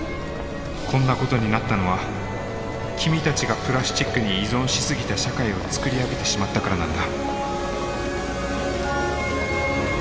こんなことになったのは君たちがプラスチックに依存し過ぎた社会を作り上げてしまったからなんだ。